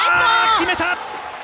決めた！